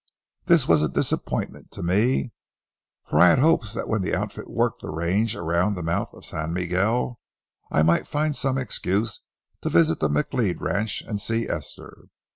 This was a disappointment to me, for I had hopes that when the outfit worked the range around the mouth of San Miguel, I might find some excuse to visit the McLeod ranch and see Esther.